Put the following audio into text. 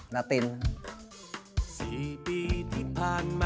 ลาติน